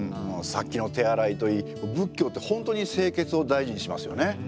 さっきの手洗いといい仏教ってほんとに清潔を大事にしますよね。